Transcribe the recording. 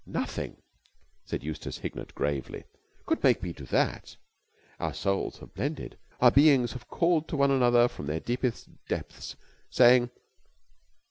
"Nothing," said Eustace Hignett gravely, "could make me do that. Our souls have blended. Our beings have called to one another from their deepest depths, saying